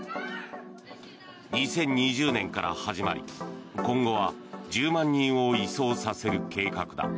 ２０２０年から始まり、今後は１０万人を移送させる計画だ。